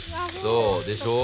そう。でしょう？